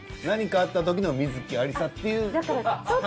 何かあった時の観月ありさっていう。